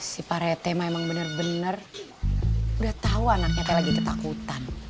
si pak rete emang bener bener udah tahu anaknya tela gitu takutan